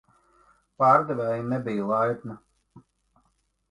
Pārdevēja nebija laipna